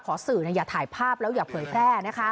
สื่ออย่าถ่ายภาพแล้วอย่าเผยแพร่นะคะ